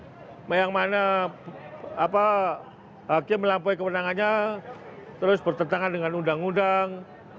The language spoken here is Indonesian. nah yang mana hakim melampaui kewenangannya terus bertentangan dengan undang undang